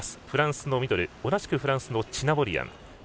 フランスのミドル同じくフランスのチナボリアン。